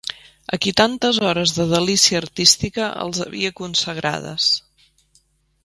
A qui tantes hores de delícia artística els havia consagrades.